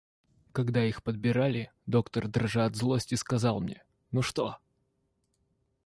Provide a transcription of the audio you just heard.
Когда их подбирали, доктор, дрожа от злости, сказал мне: — Ну что?